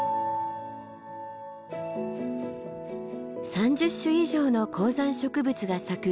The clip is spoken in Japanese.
３０種以上の高山植物が咲く